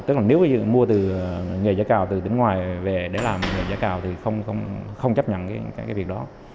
tức là nếu mua từ nghề giã cào từ tỉnh ngoài về để làm nghề giã cào thì không chấp nhận cái việc đó